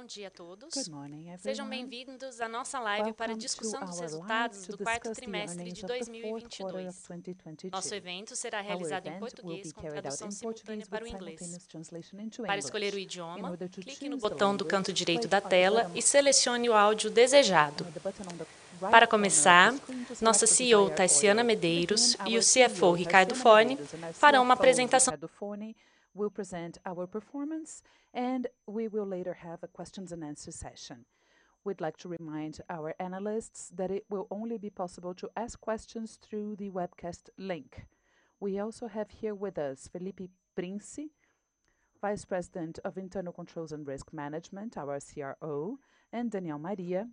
Good morning, everyone. Welcome to our live for discussing the earnings of the fourth quarter of 2022. Our event will be carried out in Portuguese with simultaneous translation into English. In order to choose your language, click the button on the right of your screen to select the desired audio. Between our CEO, Tarciana Medeiros, and our CFO, Ricardo Forni, we'll present our performance, and we will later have a questions and answer session. We'd like to remind our analysts that it will only be possible to ask questions through the webcast link. We also have here with us Felipe Prince, Vice President of Internal Controls and Risk Management, our CRO, and Daniel Maria,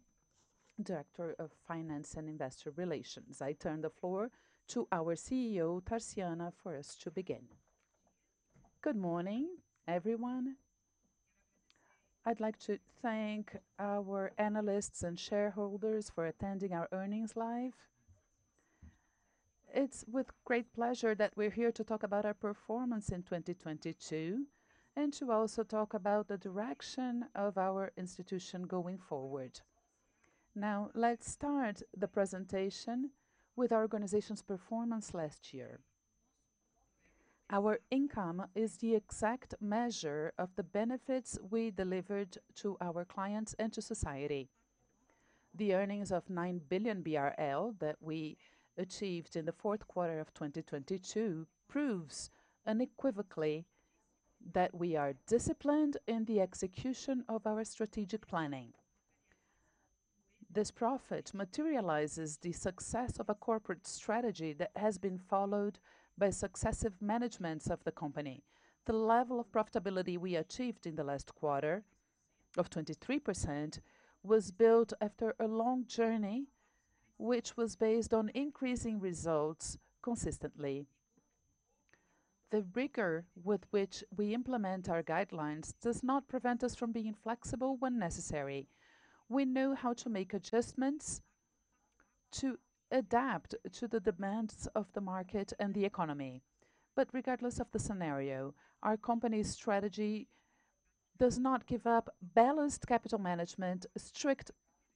Director of Finance and Investor Relations. I turn the floor to our CEO, Tarciana, for us to begin. Good morning, everyone. I'd like to thank our analysts and shareholders for attending our earnings live. It's with great pleasure that we're here to talk about our performance in 2022, and to also talk about the direction of our institution going forward. Let's start the presentation with our organization's performance last year. Our income is the exact measure of the benefits we delivered to our clients and to society. The earnings of nine billion BRL that we achieved in the fourth quarter of 2022 proves unequivocally that we are disciplined in the execution of our strategic planning. This profit materializes the success of a corporate strategy that has been followed by successive managements of the company. The level of profitability we achieved in the last quarter, of 23%, was built after a long journey, which was based on increasing results consistently. The rigor with which we implement our guidelines does not prevent us from being flexible when necessary. We know how to make adjustments to adapt to the demands of the market and the economy. Regardless of the scenario, our company's strategy does not give up balanced capital management, strict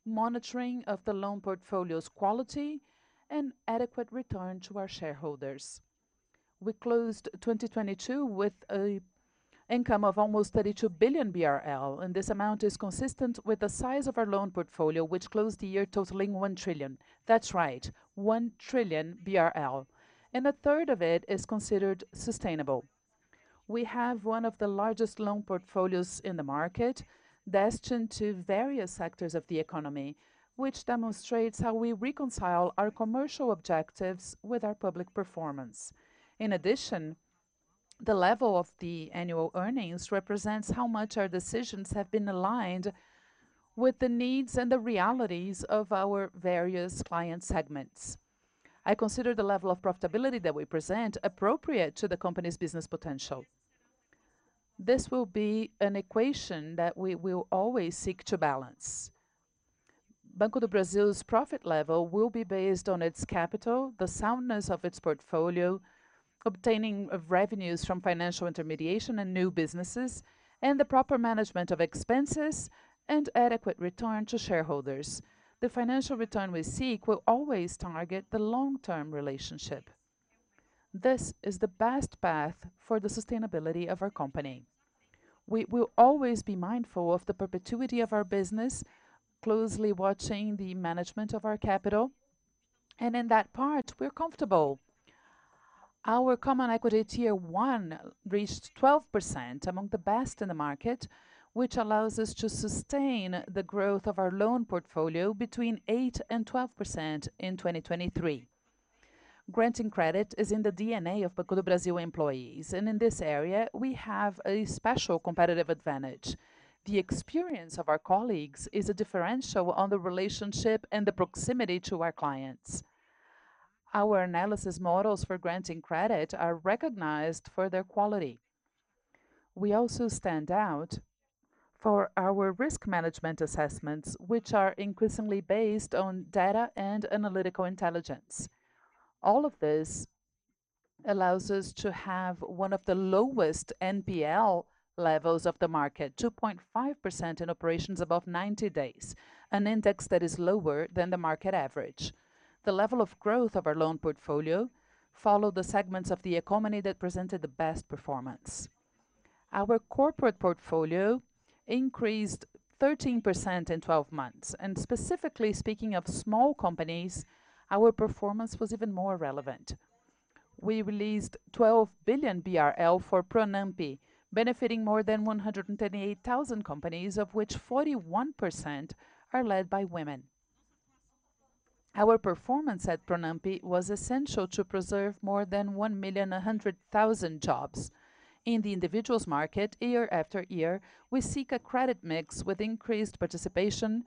monitoring of the loan portfolio's quality, and adequate return to our shareholders. We closed 2022 with a income of almost 32 billion BRL, and this amount is consistent with the size of our loan portfolio, which closed the year totaling 1 trillion. That's right, 1 trillion BRL, and a third of it is considered sustainable. We have one of the largest loan portfolios in the market destined to various sectors of the economy, which demonstrates how we reconcile our commercial objectives with our public performance. The level of the annual earnings represents how much our decisions have been aligned with the needs and the realities of our various client segments. I consider the level of profitability that we present appropriate to the company's business potential. This will be an equation that we will always seek to balance. Banco do Brasil's profit level will be based on its capital, the soundness of its portfolio, obtaining of revenues from financial intermediation and new businesses, and the proper management of expenses and adequate return to shareholders. The financial return we seek will always target the long-term relationship. This is the best path for the sustainability of our company. We will always be mindful of the perpetuity of our business, closely watching the management of our capital, and in that part, we're comfortable. Our Common Equity Tier 1 reached 12%, among the best in the market, which allows us to sustain the growth of our loan portfolio between 8% and 12% in 2023. Granting credit is in the DNA of Banco do Brasil employees, in this area, we have a special competitive advantage. The experience of our colleagues is a differential on the relationship and the proximity to our clients. Our analysis models for granting credit are recognized for their quality. We also stand out for our risk management assessments, which are increasingly based on data and analytical intelligence. All of this allows us to have one of the lowest NPL levels of the market, 2.5% in operations above 90 days, an index that is lower than the market average. The level of growth of our loan portfolio followed the segments of the economy that presented the best performance. Our corporate portfolio increased 13% in 12 months. Specifically speaking of small companies, our performance was even more relevant. We released 12 billion BRL for PRONAMPE, benefiting more than 138,000 companies, of which 41% are led by women. Our performance at PRONAMPE was essential to preserve more than 1.1 million jobs. In the individuals market, year after year, we seek a credit mix with increased participation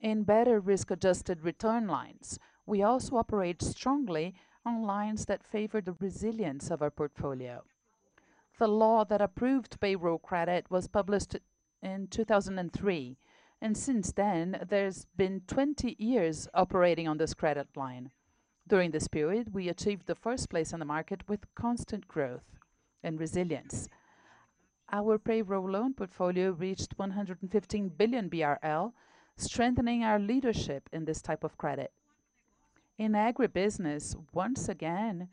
in better risk-adjusted return lines. We also operate strongly on lines that favor the resilience of our portfolio. The law that approved payroll credit was published in 2003. Since then, there's been 20 years operating on this credit line. During this period, we achieved the first place on the market with constant growth and resilience. Our payroll loan portfolio reached 115 billion BRL, strengthening our leadership in this type of credit. In agribusiness, once again,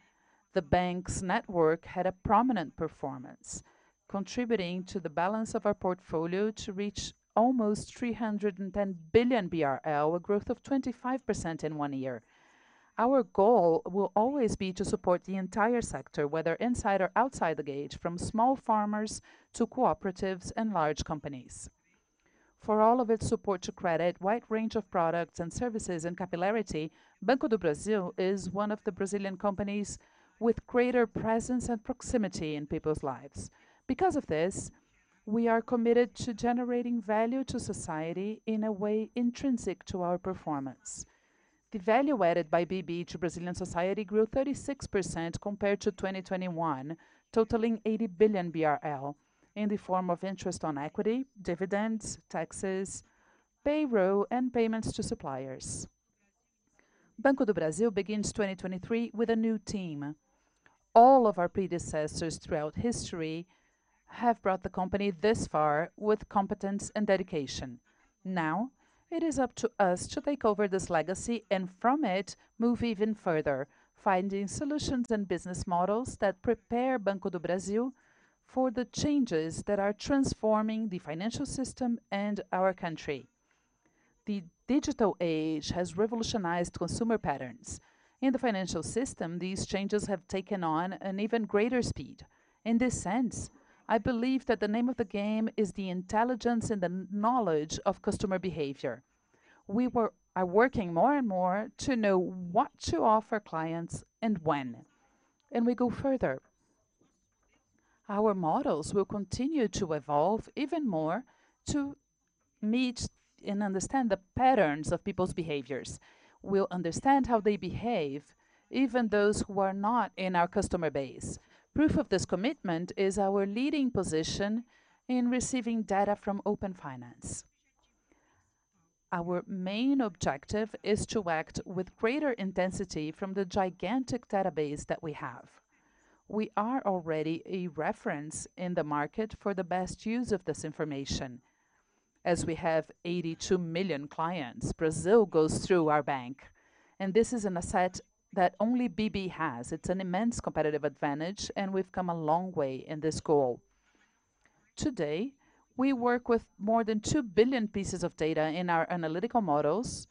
the bank's network had a prominent performance, contributing to the balance of our portfolio to reach almost 310 billion BRL, a growth of 25% in one year. Our goal will always be to support the entire sector, whether inside or outside the gate, from small farmers to cooperatives and large companies. For all of its support to credit, wide range of products and services, and capillarity, Banco do Brasil is one of the Brazilian companies with greater presence and proximity in people's lives. We are committed to generating value to society in a way intrinsic to our performance. The value added by BB to Brazilian society grew 36% compared to 2021, totaling 80 billion BRL in the form of interest on equity, dividends, taxes, payroll, and payments to suppliers. Banco do Brasil begins 2023 with a new team. All of our predecessors throughout history have brought the company this far with competence and dedication. It is up to us to take over this legacy, and from it, move even further, finding solutions and business models that prepare Banco do Brasil for the changes that are transforming the financial system and our country. The digital age has revolutionized consumer patterns. In the financial system, these changes have taken on an even greater speed. In this sense, I believe that the name of the game is the intelligence and the knowledge of customer behavior. We were... Are working more and more to know what to offer clients and when. We go further. Our models will continue to evolve even more to meet and understand the patterns of people's behaviors. We'll understand how they behave, even those who are not in our customer base. Proof of this commitment is our leading position in receiving data from Open Finance. Our main objective is to act with greater intensity from the gigantic database that we have. We are already a reference in the market for the best use of this information, as we have 82 million clients. Brazil goes through our bank, and this is an asset that only BB has. It's an immense competitive advantage, and we've come a long way in this goal. Today, we work with more than two billion pieces of data in our analytical models,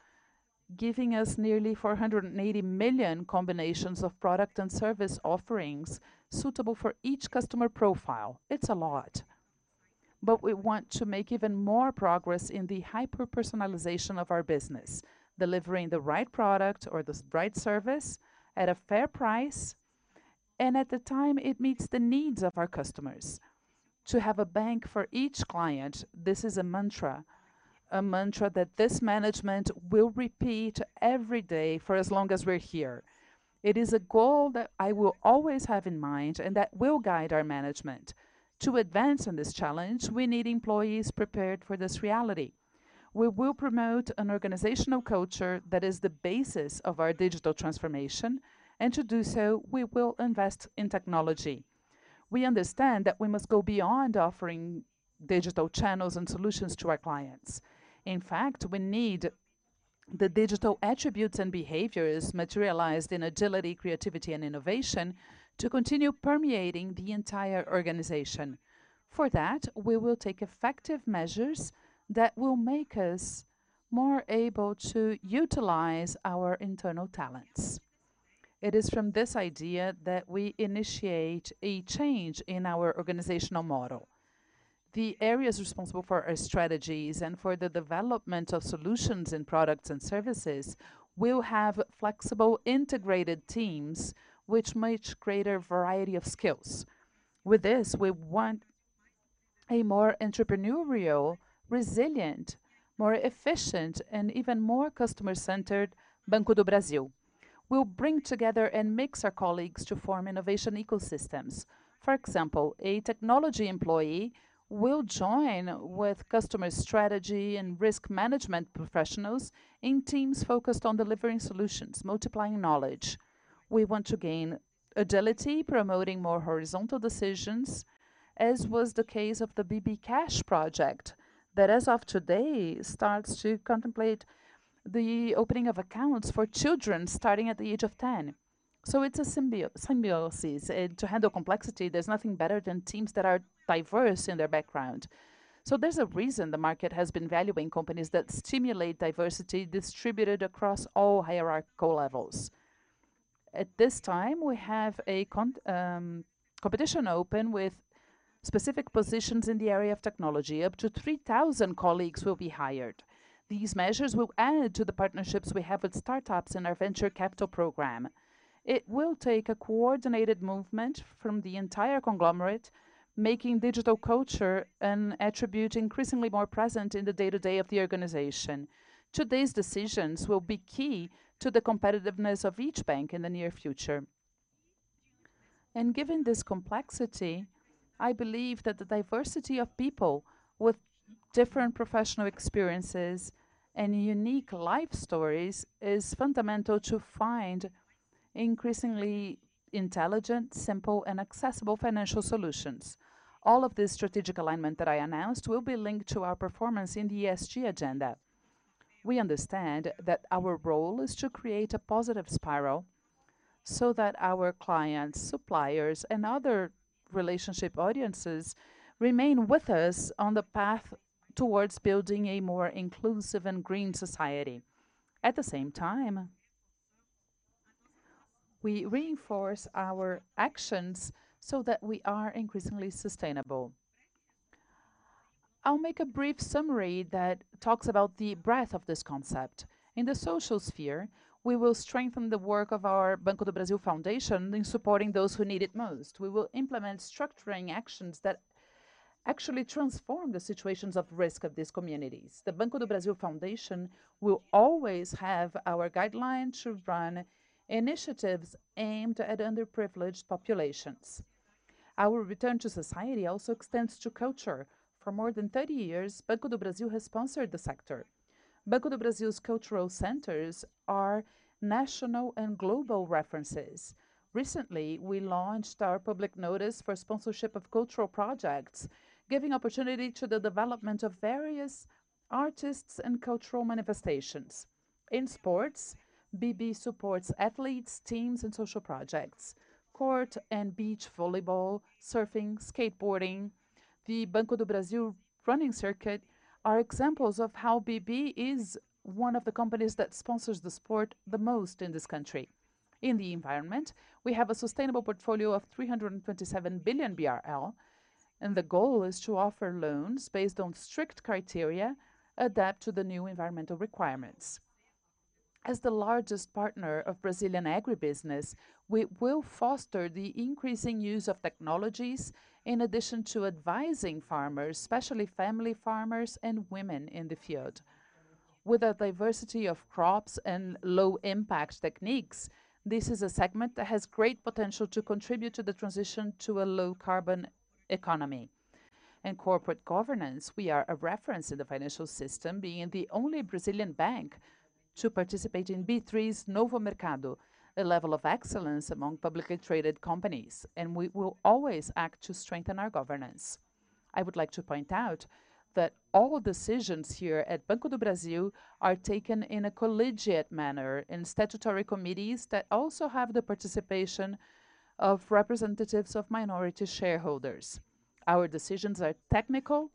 giving us nearly 480 million combinations of product and service offerings suitable for each customer profile. It's a lot, but we want to make even more progress in the hyper-personalization of our business, delivering the right product or the right service at a fair price, and at the time it meets the needs of our customers. To have a bank for each client, this is a mantra, a mantra that this management will repeat every day for as long as we're here. It is a goal that I will always have in mind and that will guide our management. To advance on this challenge, we need employees prepared for this reality. We will promote an organizational culture that is the basis of our digital transformation. To do so, we will invest in technology. We understand that we must go beyond offering digital channels and solutions to our clients. In fact, we need the digital attributes and behaviors materialized in agility, creativity, and innovation to continue permeating the entire organization. For that, we will take effective measures that will make us more able to utilize our internal talents. It is from this idea that we initiate a change in our organizational model. The areas responsible for our strategies and for the development of solutions in products and services will have flexible, integrated teams with much greater variety of skills. With this, we want a more entrepreneurial, resilient, more efficient, and even more customer-centered Banco do Brasil. We'll bring together and mix our colleagues to form innovation ecosystems. For example, a technology employee will join with customer strategy and risk management professionals in teams focused on delivering solutions, multiplying knowledge. We want to gain agility, promoting more horizontal decisions, as was the case of the BB Cash project that, as of today, starts to contemplate the opening of accounts for children starting at the age of 10. It's a symbiosis. To handle complexity, there's nothing better than teams that are diverse in their background. There's a reason the market has been valuing companies that stimulate diversity distributed across all hierarchical levels. At this time, we have a competition open with specific positions in the area of technology. Up to 3,000 colleagues will be hired. These measures will add to the partnerships we have with startups in our venture capital program. It will take a coordinated movement from the entire conglomerate, making digital culture an attribute increasingly more present in the day-to-day of the organization. Today's decisions will be key to the competitiveness of each bank in the near future. Given this complexity, I believe that the diversity of people with different professional experiences and unique life stories is fundamental to find increasingly intelligent, simple, and accessible financial solutions. All of this strategic alignment that I announced will be linked to our performance in the ESG agenda. We understand that our role is to create a positive spiral so that our clients, suppliers, and other relationship audiences remain with us on the path towards building a more inclusive and green society. At the same time, we reinforce our actions so that we are increasingly sustainable. I'll make a brief summary that talks about the breadth of this concept. In the social sphere, we will strengthen the work of our Banco do Brasil Foundation in supporting those who need it most. We will implement structuring actions that actually transform the situations of risk of these communities. The Banco do Brasil Foundation will always have our guideline to run initiatives aimed at underprivileged populations. Our return to society also extends to culture. For more than 30 years, Banco do Brasil has sponsored the sector. Banco do Brasil's cultural centers are national and global references. Recently, we launched our public notice for sponsorship of cultural projects, giving opportunity to the development of various artists and cultural manifestations. In sports, BB supports athletes, teams, and social projects. Court and beach volleyball, surfing, skateboarding, the Banco do Brasil Running Circuit are examples of how BB is one of the companies that sponsors the sport the most in this country. In the environment, we have a sustainable portfolio of 327 billion BRL, and the goal is to offer loans based on strict criteria adapt to the new environmental requirements. As the largest partner of Brazilian agribusiness, we will foster the increasing use of technologies in addition to advising farmers, especially family farmers and women in the field. With a diversity of crops and low-impact techniques, this is a segment that has great potential to contribute to the transition to a low-carbon economy. In corporate governance, we are a reference in the financial system, being the only Brazilian bank to participate in B3's Novo Mercado, a level of excellence among publicly traded companies, and we will always act to strengthen our governance. I would like to point out that all decisions here at Banco do Brasil are taken in a collegiate manner in statutory committees that also have the participation of representatives of minority shareholders. Our decisions are technical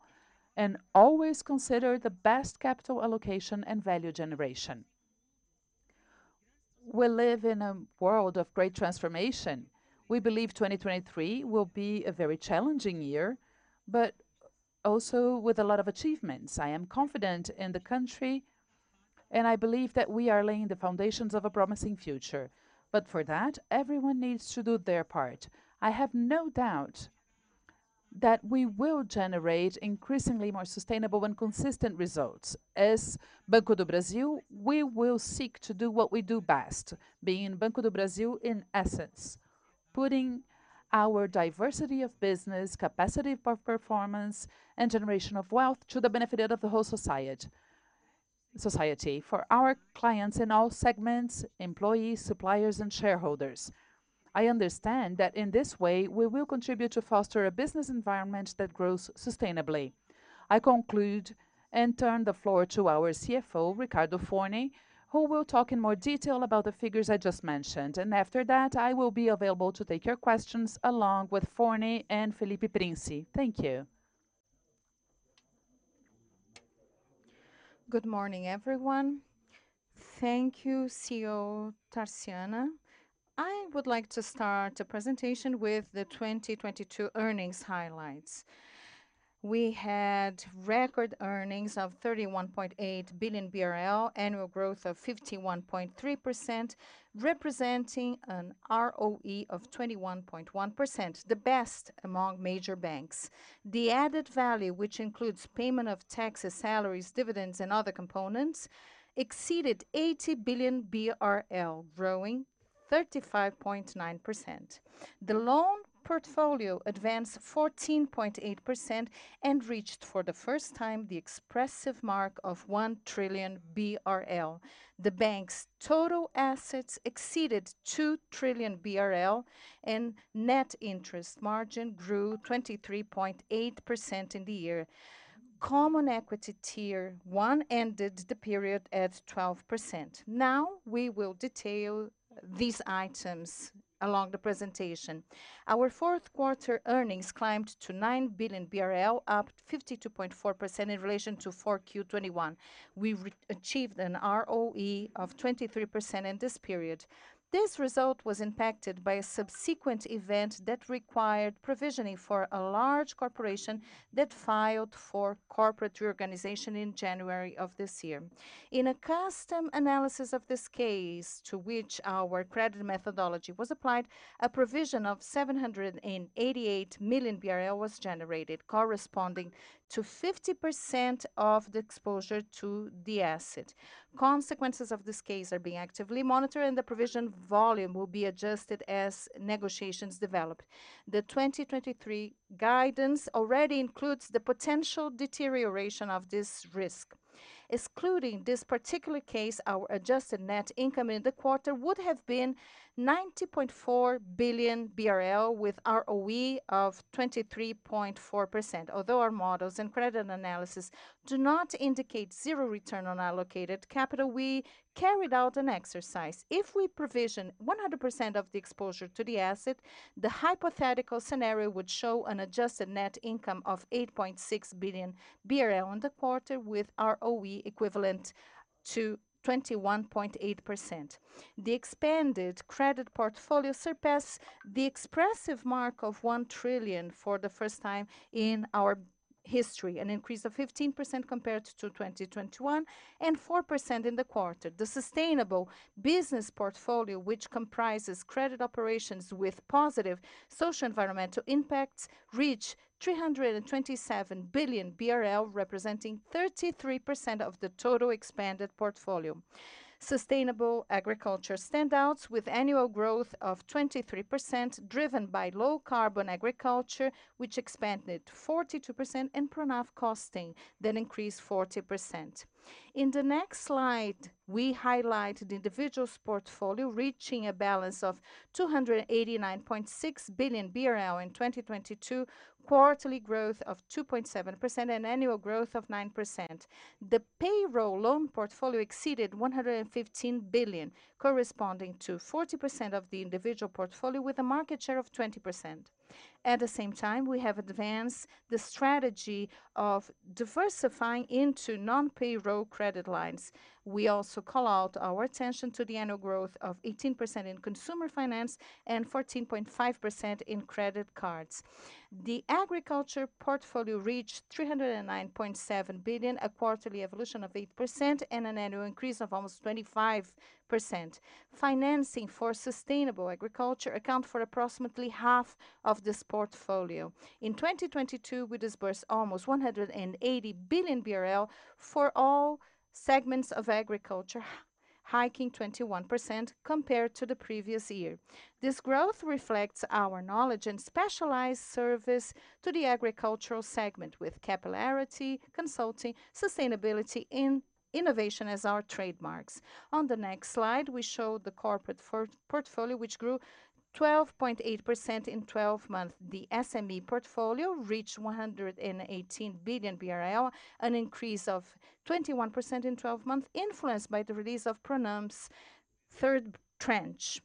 and always consider the best capital allocation and value generation. We live in a world of great transformation. We believe 2023 will be a very challenging year, but also with a lot of achievements. I am confident in the country, and I believe that we are laying the foundations of a promising future, but for that, everyone needs to do their part. I have no doubt that we will generate increasingly more sustainable and consistent results. As Banco do Brasil, we will seek to do what we do best, being Banco do Brasil in essence, putting our diversity of business, capacity for performance, and generation of wealth to the benefit of the whole society, for our clients in all segments, employees, suppliers, and shareholders. I understand that in this way, we will contribute to foster a business environment that grows sustainably. I conclude and turn the floor to our CFO, Ricardo Forni, who will talk in more detail about the figures I just mentioned. After that, I will be available to take your questions along with Forni and Felipe Prince. Thank you. Good morning, everyone. Thank you, CEO Tarciana. I would like to start the presentation with the 2022 earnings highlights. We had record earnings of 31.8 billion BRL, annual growth of 51.3%, representing an ROE of 21.1%, the best among major banks. The added value, which includes payment of taxes, salaries, dividends, and other components, exceeded 80 billion BRL, growing 35.9%. The loan portfolio advanced 14.8% and reached, for the first time, the expressive mark of one trillion BRL. The bank's total assets exceeded two trillion BRL. Net interest margin grew 23.8% in the year. Common Equity Tier one ended the period at 12%. Now, we will detail these items along the presentation. Our fourth quarter earnings climbed to nine billion BRL, up 52.4% in relation to 4Q21. We re- achieved an ROE of 23% in this period. This result was impacted by a subsequent event that required provisioning for a large corporation that filed for corporate reorganization in January of this year. In a custom analysis of this case, to which our credit methodology was applied, a provision of 788 million BRL was generated, corresponding to 50% of the exposure to the asset. Consequences of this case are being actively monitored, and the provision volume will be adjusted as negotiations develop. The 2023 guidance already includes the potential deterioration of this risk. Excluding this particular case, our adjusted net income in the quarter would have been 90.4 billion BRL with ROE of 23.4%. Although our models and credit analysis do not indicate zero return on allocated capital, we carried out an exercise. If we provision 100% of the exposure to the asset, the hypothetical scenario would show an adjusted net income of 8.6 billion BRL in the quarter with ROE equivalent to 21.8%. The expanded credit portfolio surpassed the expressive mark of one trillion for the first time in our history, an increase of 15% compared to 2021, and 4% in the quarter. The sustainable business portfolio, which comprises credit operations with positive social environmental impacts, reached 327 billion BRL, representing 33% of the total expanded portfolio. Sustainable agriculture standouts with annual growth of 23% driven by low carbon agriculture, which expanded 42% in PRONAF costing that increased 40%. In the next slide, we highlight the individual's portfolio reaching a balance of 289.6 billion BRL in 2022, quarterly growth of 2.7%, and annual growth of 9%. The payroll loan portfolio exceeded 115 billion, corresponding to 40% of the individual portfolio with a market share of 20%. At the same time, we have advanced the strategy of diversifying into non-payroll credit lines. We also call out our attention to the annual growth of 18% in consumer finance and 14.5% in credit cards. The agriculture portfolio reached 309.7 billion, a quarterly evolution of 8% and an annual increase of almost 25%. Financing for sustainable agriculture account for approximately half of this portfolio. In 2022, we disbursed almost 180 billion BRL for all segments of agriculture, hiking 21% compared to the previous year. This growth reflects our knowledge and specialized service to the agricultural segment with capillarity, consulting, sustainability, innovation as our trademarks. On the next slide, we show the corporate portfolio, which grew 12.8% in 12 months. The SME portfolio reached 118 billion BRL, an increase of 21% in 12 months, influenced by the release of PRONAF's third tranche.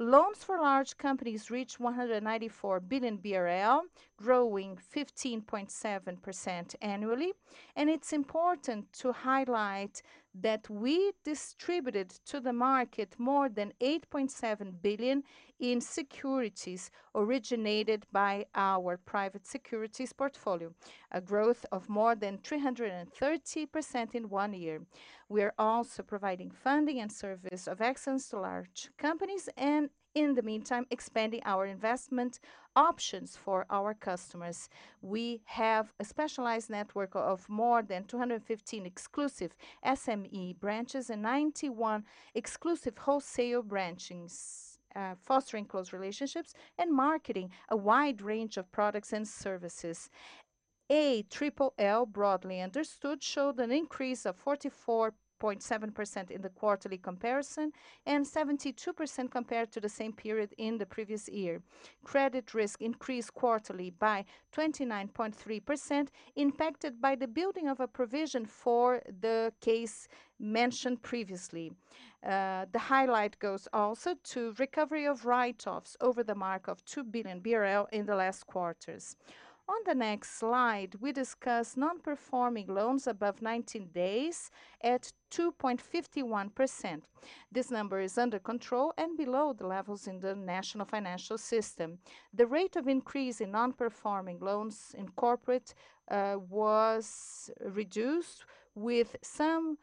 Loans for large companies reached 194 billion BRL, growing 15.7% annually. It's important to highlight that we distributed to the market more than 8.7 billion in securities originated by our private securities portfolio, a growth of more than 330% in one year. We are also providing funding and service of excellence to large companies and, in the meantime, expanding our investment options for our customers. We have a specialized network of more than 215 exclusive SME branches and 91 exclusive wholesale branchings, fostering close relationships and marketing a wide range of products and services. ALLL, broadly understood, showed an increase of 44.7% in the quarterly comparison and 72% compared to the same period in the previous year. Credit risk increased quarterly by 29.3%, impacted by the building of a provision for the case mentioned previously. The highlight goes also to recovery of write-offs over the mark of two billion BRL in the last quarters. On the next slide, we discuss non-performing loans above 90 days at 2.51%. This number is under control and below the levels in the national financial system. The rate of increase in NPL in corporate was reduced with some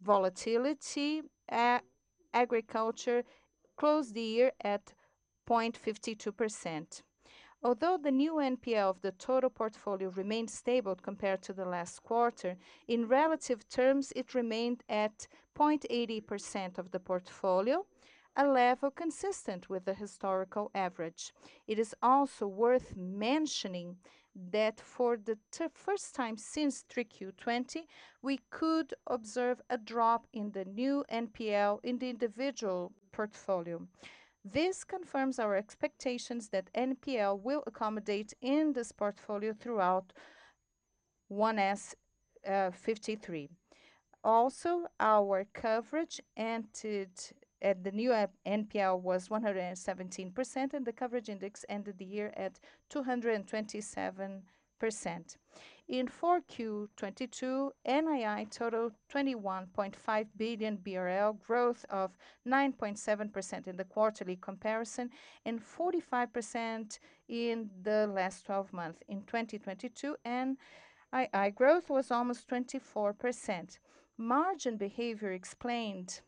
volatility. Agriculture closed the year at 0.52%. Although the new NPL of the total portfolio remained stable compared to the last quarter, in relative terms, it remained at 0.80% of the portfolio, a level consistent with the historical average. It is also worth mentioning that for the first time since 3Q20, we could observe a drop in the new NPL in the individual portfolio. This confirms our expectations that NPL will accommodate in this portfolio throughout 1H 2023. Also, our coverage ended at the new NPL was 117%, and the coverage index ended the year at 227%. In 4Q 2022, NII totaled 21.5 billion BRL, growth of 9.7% in the quarterly comparison and 45% in the last 12 months. In 2022, NII growth was almost 24%. Margin behavior explained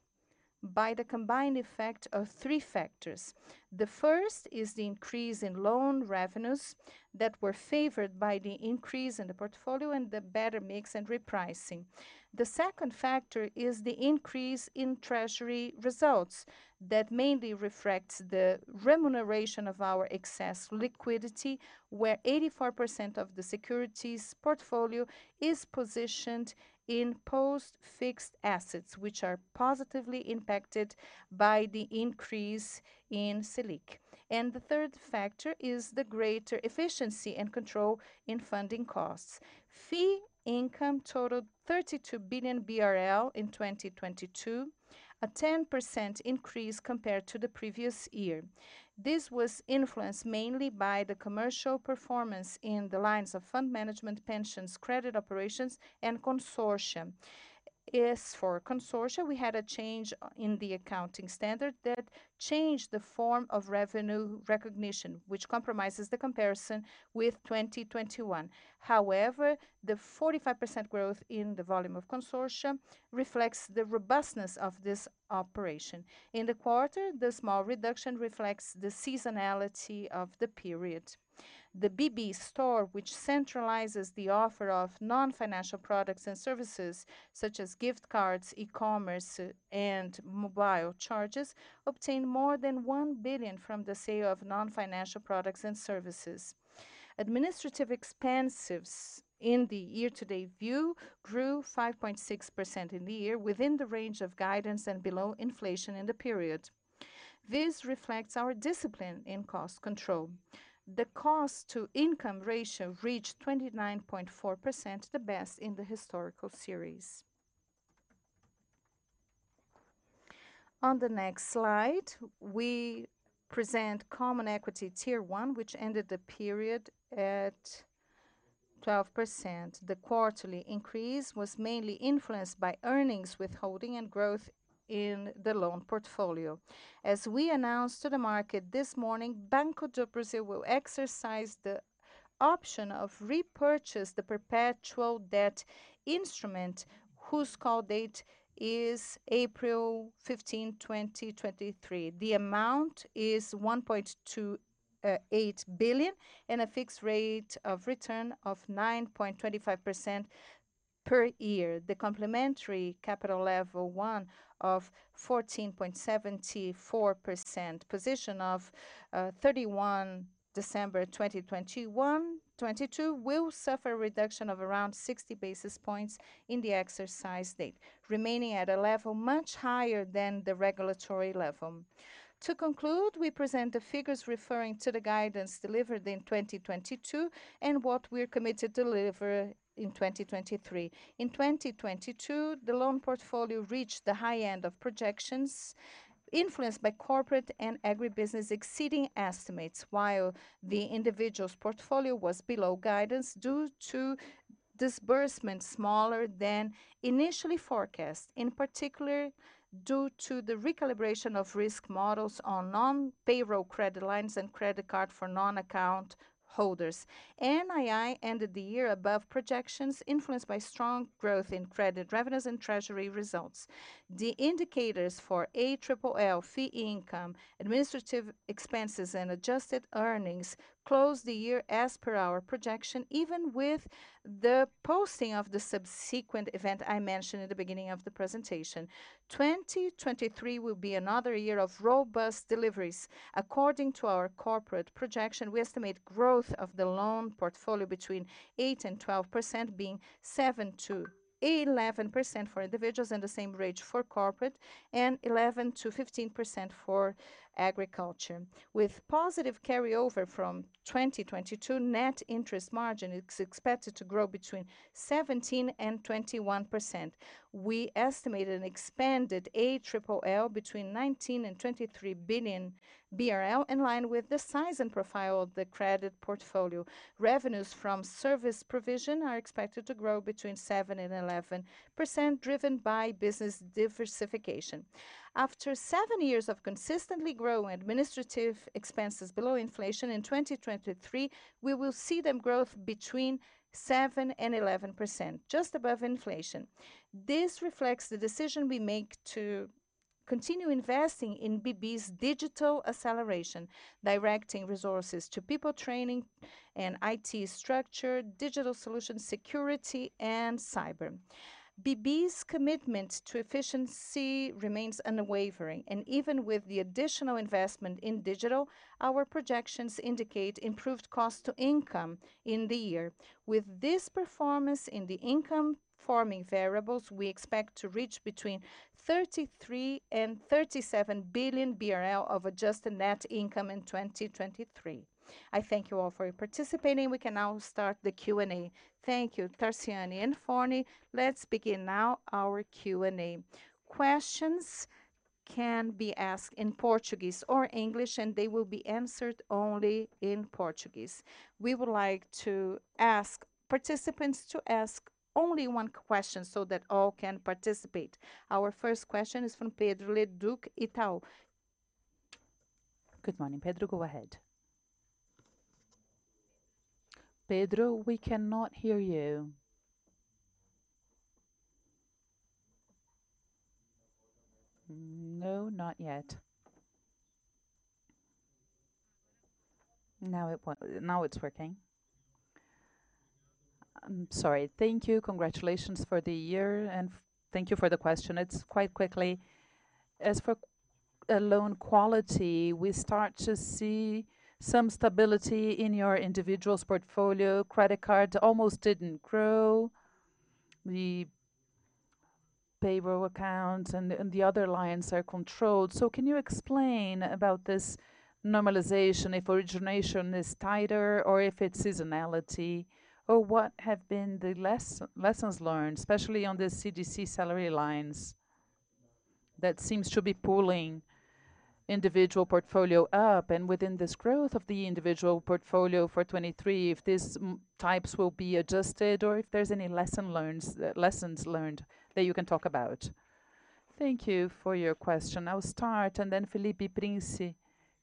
by the combined effect of three factors. The first is the increase in loan revenues that were favored by the increase in the portfolio and the better mix and repricing. The second factor is the increase in treasury results that mainly reflects the remuneration of our excess liquidity, where 84% of the securities portfolio is positioned in post-fixed assets, which are positively impacted by the increase in Selic. The third factor is the greater efficiency and control in funding costs. Fee income totaled 32 billion BRL in 2022, a 10% increase compared to the previous year. This was influenced mainly by the commercial performance in the lines of fund management, pensions, credit operations, and consortia. As for consortia, we had a change in the accounting standard that changed the form of revenue recognition, which compromises the comparison with 2021. However, the 45% growth in the volume of consortia reflects the robustness of this operation. In the quarter, the small reduction reflects the seasonality of the period. The Shopping BB, which centralizes the offer of non-financial products and services such as gift cards, e-commerce, and mobile charges, obtained more than one billion from the sale of non-financial products and services. Administrative expansives in the year-to-date view grew 5.6% in the year within the range of guidance and below inflation in the period. This reflects our discipline in cost control. The cost-to-income ratio reached 29.4%, the best in the historical series. On the next slide, we present Common Equity Tier one, which ended the period at 12%. The quarterly increase was mainly influenced by earnings withholding and growth in the loan portfolio. As we announced to the market this morning, Banco do Brasil will exercise the option of repurchase the perpetual debt instrument, whose call date is April 15, 2023. The amount is 1.28 billion and a fixed rate of return of 9.25% per year. The complementary capital level one of 14.74%, position of 31 December 2022, will suffer a reduction of around 60 basis points in the exercise date, remaining at a level much higher than the regulatory level. To conclude, we present the figures referring to the guidance delivered in 2022 and what we're committed to deliver in 2023. In 2022, the loan portfolio reached the high end of projections influenced by corporate and agribusiness exceeding estimates, while the individual's portfolio was below guidance due to disbursement smaller than initially forecast, in particular due to the recalibration of risk models on non-payroll credit lines and credit card for non-account holders. NII ended the year above projections influenced by strong growth in credit revenues and treasury results. The indicators for ALLL fee income, administrative expenses, and adjusted earnings closed the year as per our projection, even with the posting of the subsequent event I mentioned at the beginning of the presentation. 2023 will be another year of robust deliveries. According to our corporate projection, we estimate growth of the loan portfolio between 8%-12%, being 7%-11% for individuals and the same rate for corporate, and 11%-15% for agriculture. With positive carryover from 2022, net interest margin is expected to grow between 17%-21%. We estimate an expanded ALLL between 19 billion-23 billion BRL, in line with the size and profile of the credit portfolio. Revenues from service provision are expected to grow between 7%-11%, driven by business diversification. After 7 years of consistently growing administrative expenses below inflation, in 2023, we will see them growth between 7%-11%, just above inflation. This reflects the decision we make to continue investing in BB's digital acceleration, directing resources to people training and IT structure, digital solution security and cyber. BB's commitment to efficiency remains unwavering. Even with the additional investment in digital, our projections indicate improved cost-to-income in the year. With this performance in the income-forming variables, we expect to reach between 33 billion BRL and 37 billion BRL of adjusted net income in 2023. I thank you all for participating. We can now start the Q&A. Thank you, Tarciana and Forni. Let's begin now our Q&A. Questions can be asked in Portuguese or English. They will be answered only in Portuguese. We would like to ask participants to ask only one question so that all can participate. Our first question is from Pedro Leduc, Itaú. Good morning, Pedro. Go ahead. Pedro, we cannot hear you. No, not yet. Now it's working. I'm sorry. Thank you. Congratulations for the year. Thank you for the question. It's quite quickly. As for loan quality, we start to see some stability in your individual's portfolio. Credit cards almost didn't grow. Payroll accounts and the other lines are controlled. Can you explain about this normalization, if origination is tighter or if it's seasonality, or what have been the lessons learned, especially on the CDC salário lines that seems to be pulling individual portfolio up? Within this growth of the individual portfolio for 2023, if these types will be adjusted or if there's any lessons learned that you can talk about. Thank you for your question. I'll start and then Felipe Prince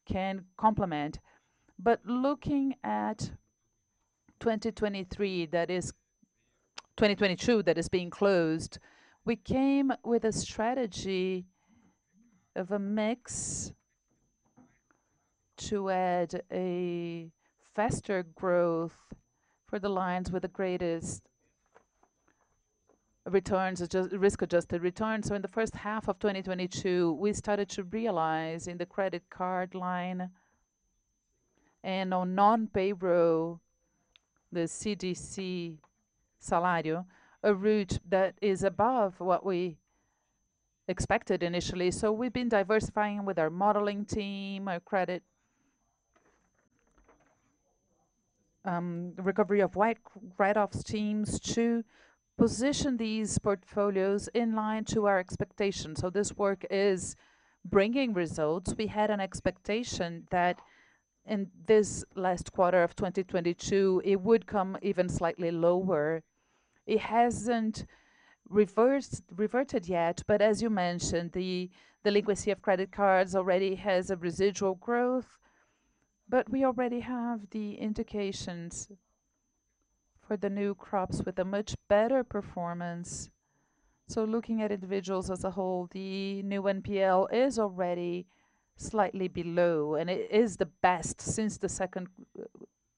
can complement. Looking at 2023, that is, 2022 that is being closed, we came with a strategy of a mix to add a faster growth for the lines with the greatest returns, risk-adjusted returns. In the first half of 2022, we started to realize in the credit card line and on non-payroll, the CDC salário, a route that is above what we expected initially. We've been diversifying with our modeling team, our credit, recovery of write-offs teams to position these portfolios in line to our expectations. This work is bringing results. We had an expectation that in this last quarter of 2022, it would come even slightly lower. It hasn't reversed, reverted yet, but as you mentioned, the delinquency of credit cards already has a residual growth. We already have the indications for the new crops with a much better performance. Looking at individuals as a whole, the new NPL is already slightly below, and it is the best since the second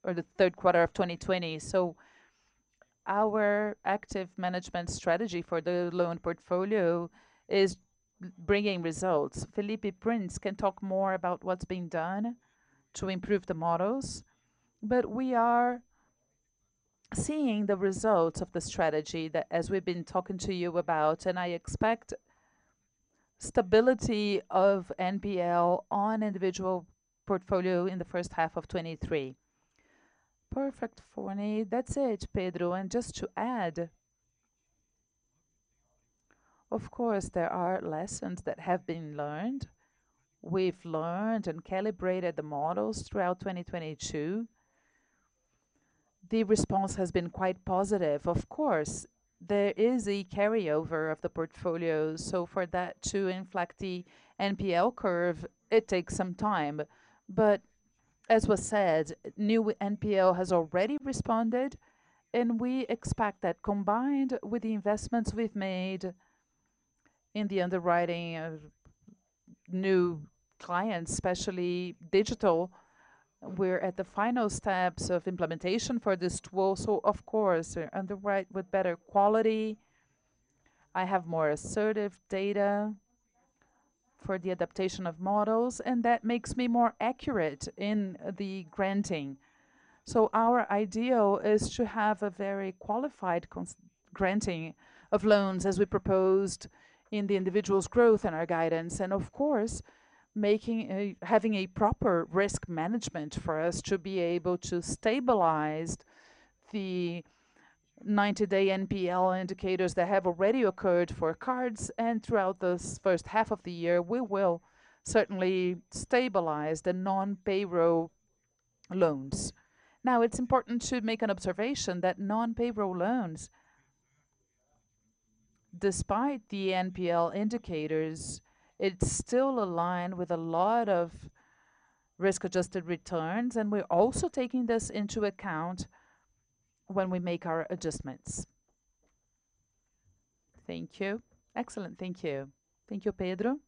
or the third quarter of 2020. Our active management strategy for the loan portfolio is bringing results. Felipe Prince can talk more about what's being done to improve the models, we are seeing the results of the strategy that as we've been talking to you about, I expect stability of NPL on individual portfolio in the first half of 2023. Perfect. For me, that's it, Pedro. Just to add, of course, there are lessons that have been learned. We've learned and calibrated the models throughout 2022. The response has been quite positive. Of course, there is a carryover of the portfolios, so for that to inflect the NPL curve, it takes some time. As was said, new NPL has already responded, and we expect that combined with the investments we've made in the underwriting of new clients, especially digital, we're at the final steps of implementation for this tool. Of course, underwrite with better quality, I have more assertive data for the adaptation of models, and that makes me more accurate in the granting. Of course, making a, having a proper risk management for us to be able to stabilize the 90-day NPL indicators that have already occurred for cards. Throughout this first half of the year, we will certainly stabilize the non-payroll loans. It's important to make an observation that non-payroll loans, despite the NPL indicators, it's still aligned with a lot of risk-adjusted returns, and we're also taking this into account when we make our adjustments. Thank you. Excellent. Thank you. Thank you, Pedro.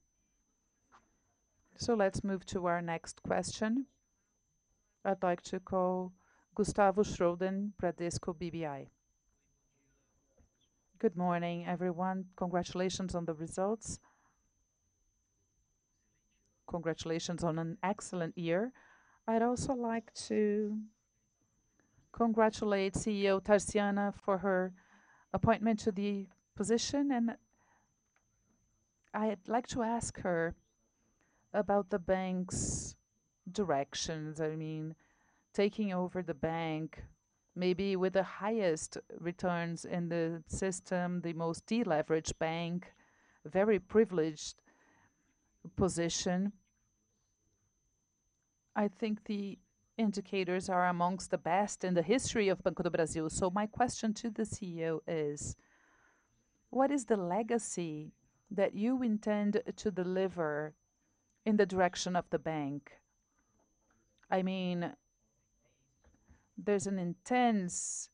Let's move to our next question. I'd like to call Gustavo Schroden, Bradesco BBI. Good morning, everyone. Congratulations on the results. Congratulations on an excellent year. I'd also like to congratulate CEO Tarciana for her appointment to the position, and I'd like to ask her about the bank's directions. I mean, taking over the bank, maybe with the highest returns in the system, the most deleveraged bank, very privileged position. I think the indicators are amongst the best in the history of Banco do Brasil. My question to the CEO is: What is the legacy that you intend to deliver in the direction of the bank? I mean, there's an intense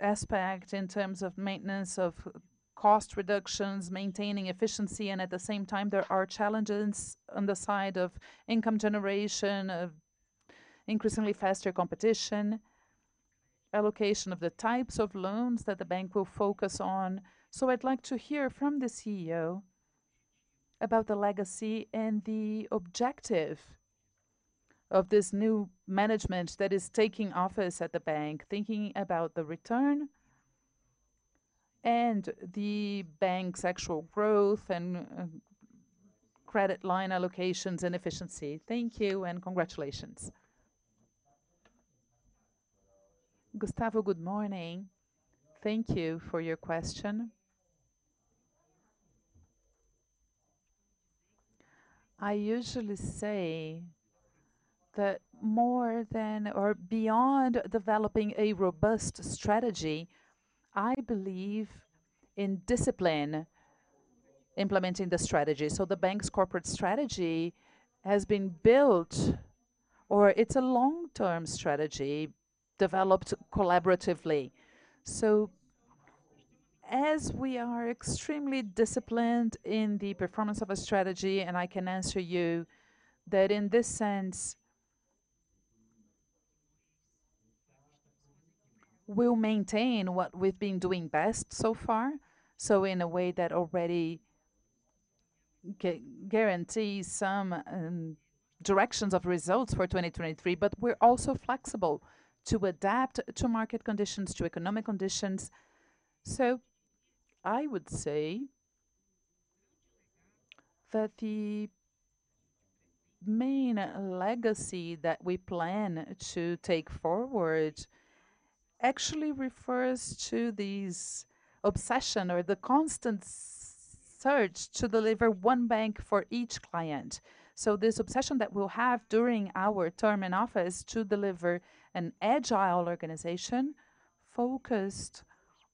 aspect in terms of maintenance of cost reductions, maintaining efficiency, and at the same time, there are challenges on the side of income generation, of increasingly faster competition, allocation of the types of loans that the bank will focus on. I'd like to hear from the CEO about the legacy and the objective. Of this new management that is taking office at the bank, thinking about the return and the bank's actual growth and, credit line allocations and efficiency. Thank you, and congratulations. Gustavo, good morning. Thank you for your question. I usually say that more than or beyond developing a robust strategy, I believe in discipline implementing the strategy. The bank's corporate strategy has been built, or it's a long-term strategy developed collaboratively. As we are extremely disciplined in the performance of a strategy, and I can answer you that in this sense, we'll maintain what we've been doing best so far, in a way that already guarantees some directions of results for 2023. We're also flexible to adapt to market conditions, to economic conditions. I would say that the main legacy that we plan to take forward actually refers to these obsession or the constant search to deliver one bank for each client. This obsession that we'll have during our term in office to deliver an agile organization focused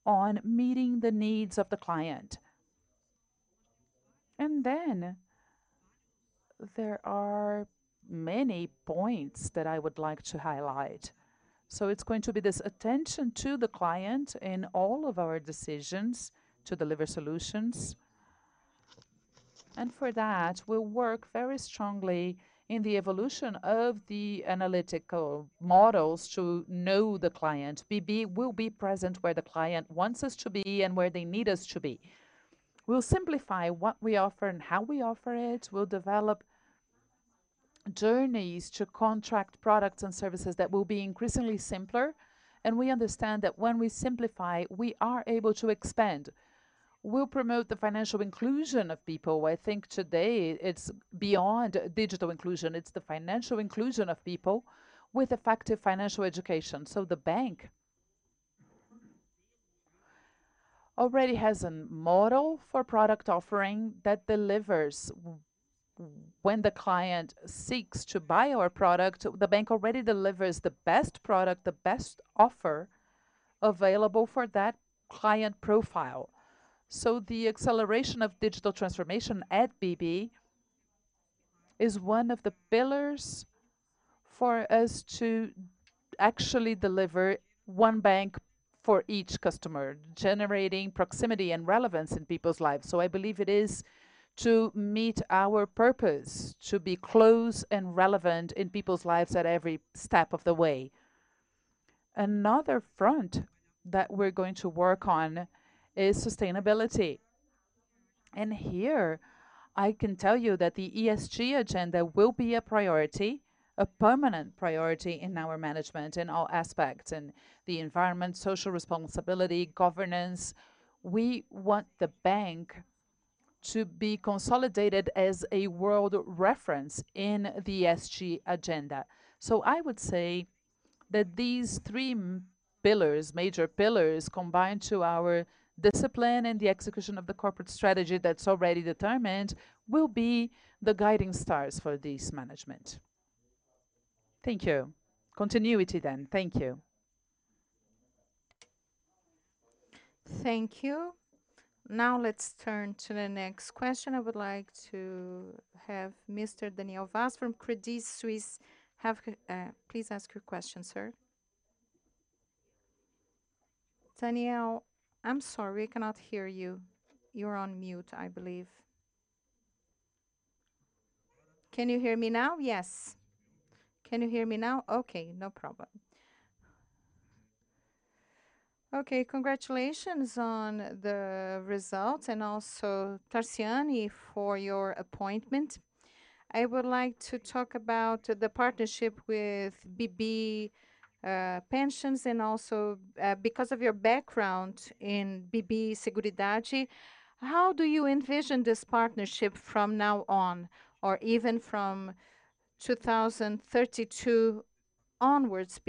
on meeting the needs of the client. There are many points that I would like to highlight. It's going to be this attention to the client in all of our decisions to deliver solutions. For that, we'll work very strongly in the evolution of the analytical models to know the client. BB will be present where the client wants us to be and where they need us to be. We'll simplify what we offer and how we offer it. We'll develop journeys to contract products and services that will be increasingly simpler. We understand that when we simplify, we are able to expand. We'll promote the financial inclusion of people. I think today it's beyond digital inclusion. It's the financial inclusion of people with effective financial education. The bank already has a model for product offering that delivers. When the client seeks to buy our product, the bank already delivers the best product, the best offer available for that client profile. The acceleration of digital transformation at BB is one of the pillars for us to actually deliver one bank for each customer, generating proximity and relevance in people's lives. I believe it is to meet our purpose, to be close and relevant in people's lives at every step of the way. Another front that we're going to work on is sustainability. Here I can tell you that the ESG agenda will be a priority, a permanent priority in our management in all aspects, in the environment, social responsibility, governance. We want the bank to be consolidated as a world reference in the ESG agenda. I would say that these three pillars, major pillars, combined to our discipline and the execution of the corporate strategy that's already determined, will be the guiding stars for this management. Thank you. Continuity. Thank you. Thank you. Let's turn to the next question. I would like to have Mr. Daniel Vaz from Credit Suisse, please ask your question, sir. Daniel, I'm sorry. I cannot hear you. You're on mute, I believe. Can you hear me now? Yes. Can you hear me now? No problem. Congratulations on the results and also Tarciana for your appointment. I would like to talk about the partnership with BB pensions and also because of your background in BB Seguridade, how do you envision this partnership from now on or even from 2032 onwards?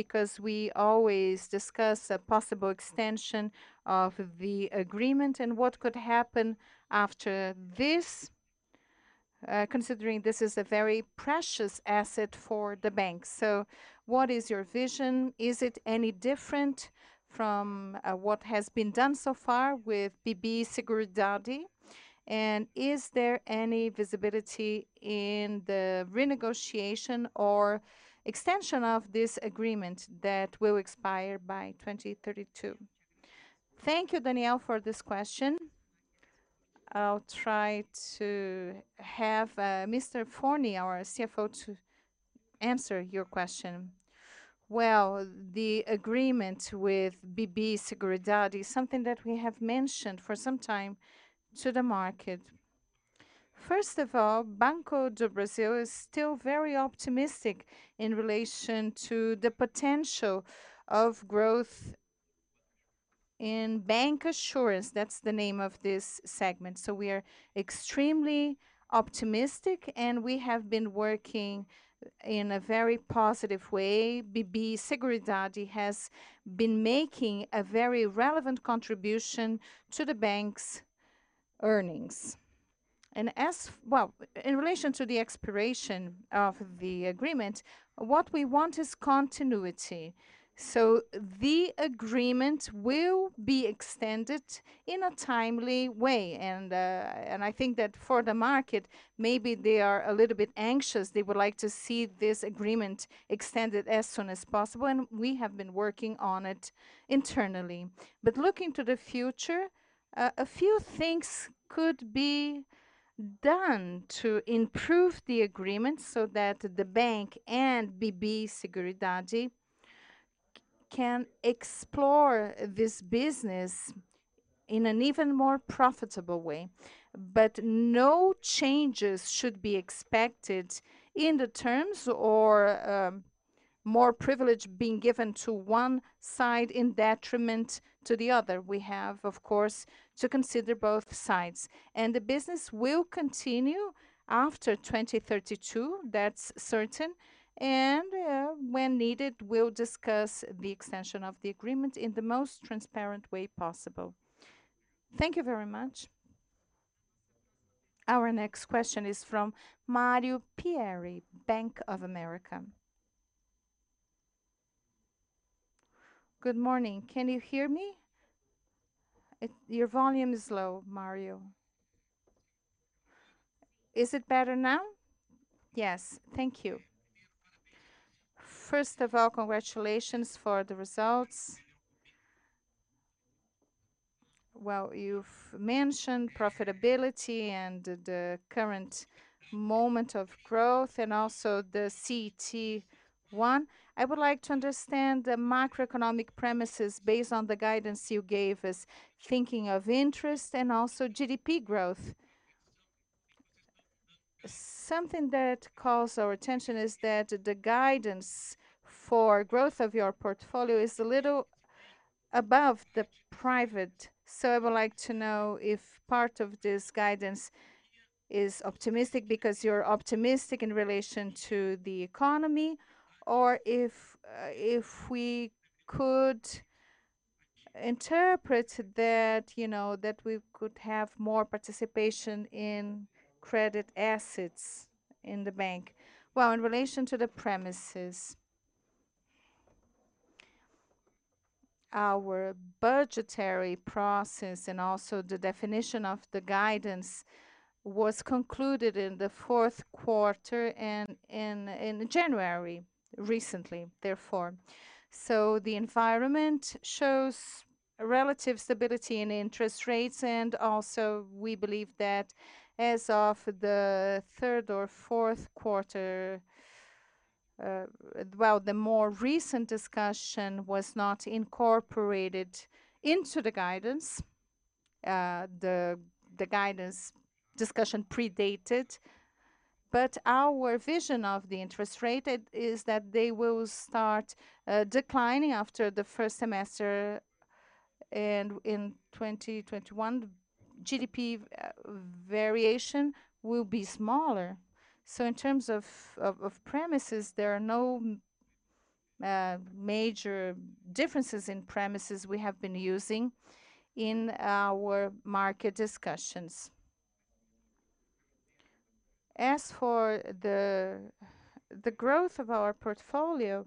We always discuss a possible extension of the agreement and what could happen after this, considering this is a very precious asset for the bank. What is your vision? Is it any different from what has been done so far with BB Seguridade? Is there any visibility in the renegotiation or extension of this agreement that will expire by 2032? Thank you, Daniel, for this question. I'll try to have, Mr. Forni, our CFO, to answer your question. Well, the agreement with BB Seguridade, something that we have mentioned for some time to the market. First of all, Banco do Brasil is still very optimistic in relation to the potential of growth in bancassurance. That's the name of this segment. We are extremely optimistic, and we have been working in a very positive way. BB Seguridade has been making a very relevant contribution to the bank's earnings. Well, in relation to the expiration of the agreement, what we want is continuity. The agreement will be extended in a timely way. I think that for the market, maybe they are a little bit anxious. They would like to see this agreement extended as soon as possible, and we have been working on it internally. Looking to the future, a few things could be done to improve the agreement so that the bank and BB Seguridade can explore this business in an even more profitable way. No changes should be expected in the terms or more privilege being given to one side in detriment to the other. We have, of course, to consider both sides. The business will continue after 2032. That's certain. When needed, we'll discuss the extension of the agreement in the most transparent way possible. Thank you very much. Our next question is from Mario Pierry, Bank of America. Good morning. Can you hear me? Your volume is low, Mario. Is it better now? Yes. Thank you. First of all, congratulations for the results. Well, you've mentioned profitability and the current moment of growth and also the CET1. I would like to understand the macroeconomic premises based on the guidance you gave us, thinking of interest and also GDP growth. Something that calls our attention is that the guidance for growth of your portfolio is a little above the private. I would like to know if part of this guidance is optimistic because you're optimistic in relation to the economy or if we could interpret that, you know, we could have more participation in credit assets in the bank. Well, in relation to the premises, our budgetary process and also the definition of the guidance was concluded in the fourth quarter and in January, recently, therefore. The environment shows relative stability in interest rates, and also we believe that as of the third or fourth quarter, well, the more recent discussion was not incorporated into the guidance. The, the guidance discussion predated. Our vision of the interest rate, it is that they will start declining after the first semester in 2021. GDP variation will be smaller. In terms of, of premises, there are no major differences in premises we have been using in our market discussions. As for the growth of our portfolio,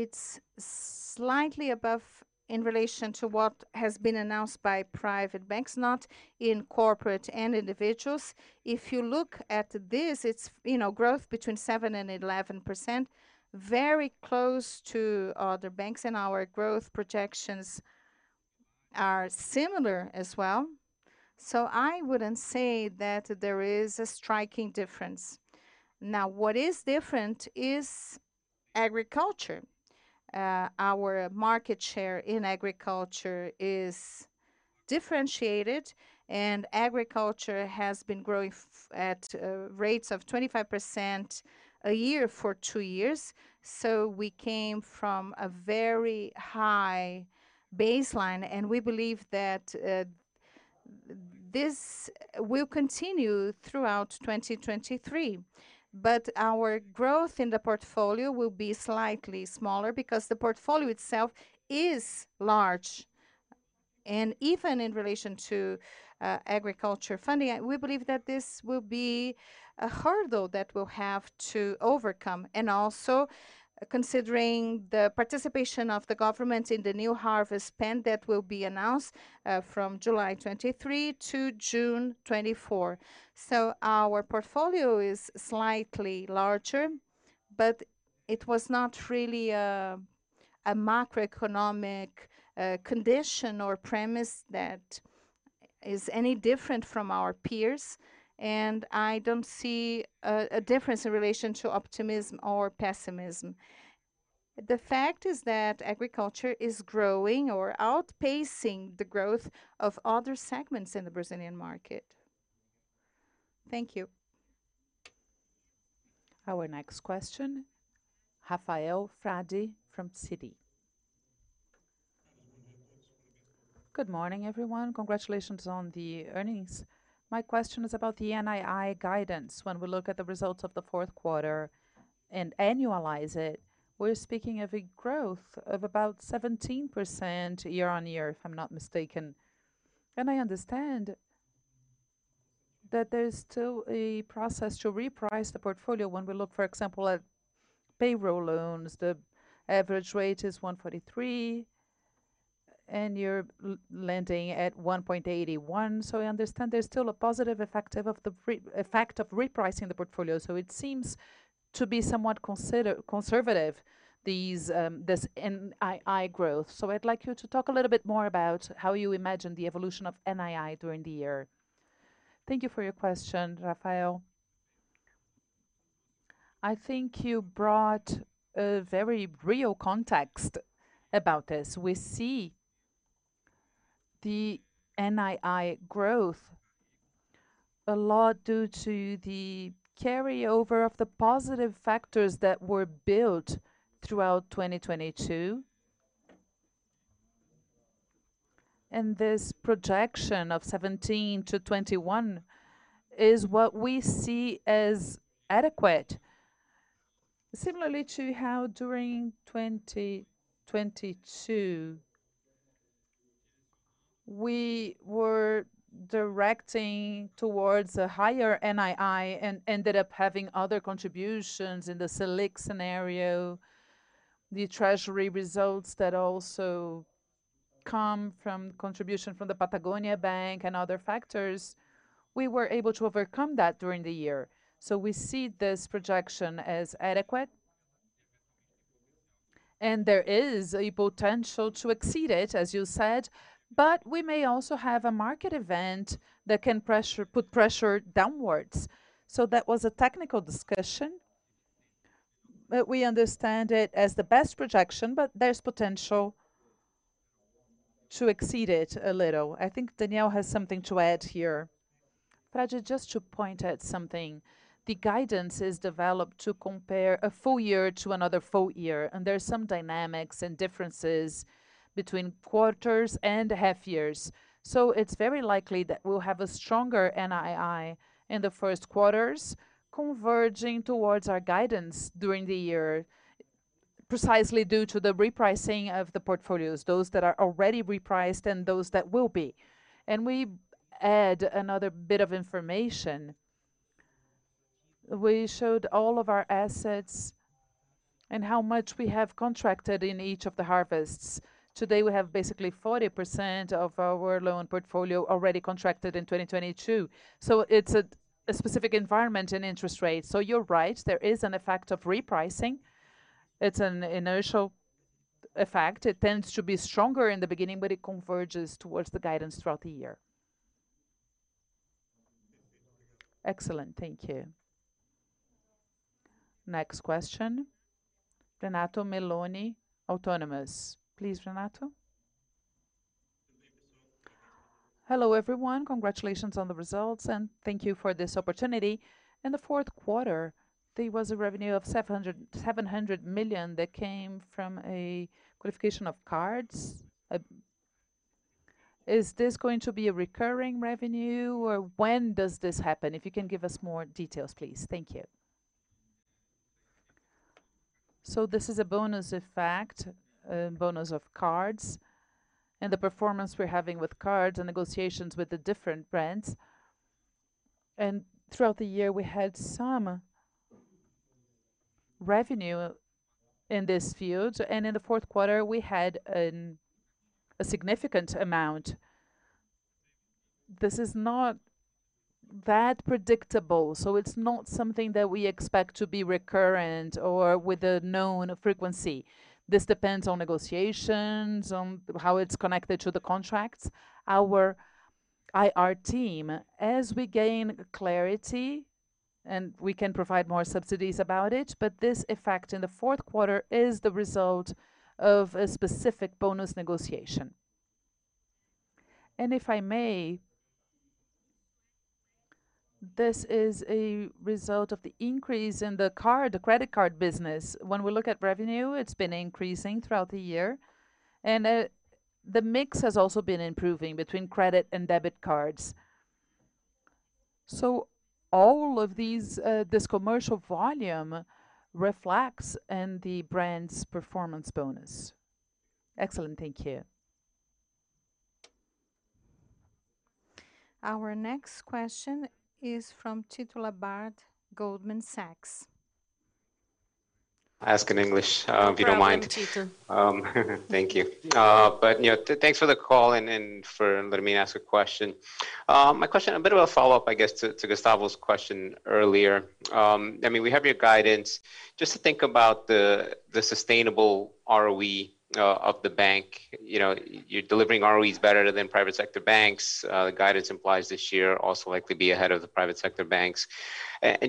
it's slightly above in relation to what has been announced by private banks, not in corporate and individuals. If you look at this, it's, you know, growth between 7% and 11%, very close to other banks, and our growth projections are similar as well. I wouldn't say that there is a striking difference. Now, what is different is agriculture. Our market share in agriculture is differentiated, and agriculture has been growing at rates of 25% a year for two years. We came from a very high baseline, and we believe that this will continue throughout 2023. Our growth in the portfolio will be slightly smaller because the portfolio itself is large. Even in relation to agriculture funding, we believe that this will be a hurdle that we'll have to overcome, and also considering the participation of the government in the new harvest plan that will be announced from July 2023 to June 2024. Our portfolio is slightly larger, but it was not really a. A macroeconomic condition or premise that is any different from our peers. I don't see a difference in relation to optimism or pessimism. The fact is that agriculture is growing or outpacing the growth of other segments in the Brazilian market. Thank you. Our next question, Rafael Frade from Citi. Good morning, everyone. Congratulations on the earnings. My question is about the NII guidance. When we look at the results of the fourth quarter and annualize it, we're speaking of a growth of about 17% year-on-year, if I'm not mistaken. I understand that there's still a process to reprice the portfolio. When we look, for example, at payroll loans, the average rate is 1.43%, and you're lending at 1.81%. I understand there's still a positive effect of repricing the portfolio. It seems to be somewhat conservative, these, this NII growth. I'd like you to talk a little bit more about how you imagine the evolution of NII during the year. Thank you for your question, Rafael. I think you brought a very real context about this. We see the NII growth a lot due to the carryover of the positive factors that were built throughout 2022. This projection of 17%-21% is what we see as adequate. Similarly to how during 2022, we were directing towards a higher NII and ended up having other contributions in the Selic scenario, the Treasury results that also come from contribution from the Banco Patagonia and other factors, we were able to overcome that during the year. We see this projection as adequate, and there is a potential to exceed it, as you said, but we may also have a market event that can put pressure downwards. That was a technical discussion, but we understand it as the best projection, but there's potential to exceed it a little. I think Daniel has something to add here. Frade, just to point out something. The guidance is developed to compare a full year to another full year, there are some dynamics and differences between quarters and half years. It's very likely that we'll have a stronger NII in the first quarters converging towards our guidance during the year, precisely due to the repricing of the portfolios, those that are already repriced and those that will be. We add another bit of information. We showed all of our assets and how much we have contracted in each of the harvests. Today, we have basically 40% of our loan portfolio already contracted in 2022. It's a specific environment and interest rate. You're right, there is an effect of repricing. It's an inertial effect. It tends to be stronger in the beginning, but it converges towards the guidance throughout the year. Excellent. Thank you. Next question, Renato Meloni, Autonomous. Please, Renato. Hello, everyone. Congratulations on the results, and thank you for this opportunity. In the fourth quarter, there was a revenue of 700 million that came from a qualification of cards. Is this going to be a recurring revenue, or when does this happen? If you can give us more details, please. Thank you. This is a bonus effect, a bonus of cards, and the performance we're having with cards and negotiations with the different brands. Throughout the year, we had some revenue in this field, and in the fourth quarter, we had a significant amount. This is not that predictable, so it's not something that we expect to be recurrent or with a known frequency. This depends on negotiations, on how it's connected to the contracts. Our IR team, as we gain clarity, and we can provide more subsidies about it, but this effect in the fourth quarter is the result of a specific bonus negotiation. If I may, this is a result of the increase in the card, the credit card business. When we look at revenue, it's been increasing throughout the year, and the mix has also been improving between credit and debit cards. All of these, this commercial volume reflects in the brand's performance bonus. Excellent. Thank you. Our next question is from Tito Labarta, Goldman Sachs. Ask in English, if you don't mind. No problem. Me too. Thank you. You know, thanks for the call and for letting me ask a question. My question, a bit of a follow-up, I guess, to Gustavo's question earlier. I mean, we have your guidance. Just to think about the sustainable ROE of the bank. You know, you're delivering ROEs better than private sector banks. The guidance implies this year also likely be ahead of the private sector banks.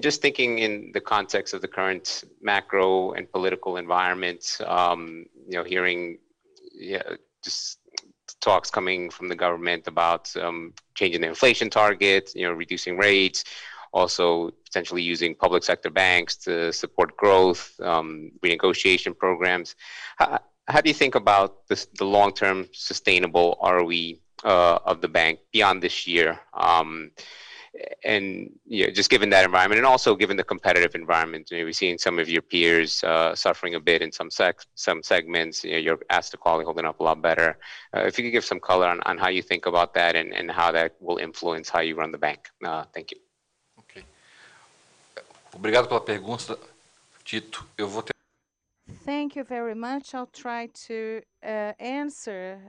Just thinking in the context of the current macro and political environment, you know, hearing, yeah, just talks coming from the government about changing the inflation target, you know, reducing rates. Also, potentially using public sector banks to support growth, renegotiation programs. How do you think about the long-term sustainable ROE of the bank beyond this year? You know, just given that environment and also given the competitive environment, you know, we've seen some of your peers suffering a bit in some segments. You know, your asset quality holding up a lot better. If you could give some color on how you think about that and how that will influence how you run the bank? Thank you. Okay. Thank you very much. I'll try to answer